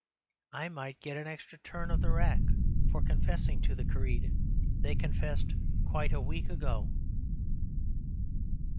I might get an extra turn of the rack for confessing to the creed they confessed quite a week ago.